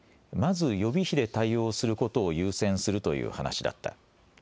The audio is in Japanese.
まず予備費で対応することを優先するという話だった。